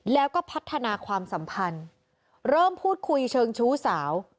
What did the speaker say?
แล้วก็พัฒนาความสัมพันธ์เริ่มพูดคุยเชิงชู้สาว